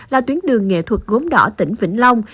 là tuyến đường nghệ thuật gốm đỏ tỉnh vĩnh long